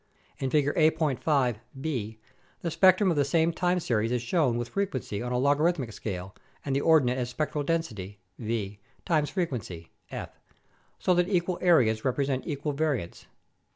In Figure A.5(b), the spectrum of the same time series is shown with frequency on a logarithmic scale and the ordinate as spectral density (V) times frequency (/), so that equal areas repre sent equal variance.